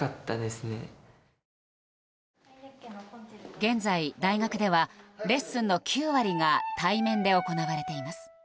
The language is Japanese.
現在、大学ではレッスンの９割が対面で行われています。